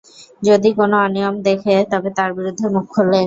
যদি কোন অনিয়ম দেখে তবে তার বিরুদ্ধে মুখ খোলে।